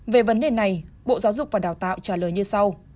về vấn đề này bộ giáo dục và đào tạo trả lời như sau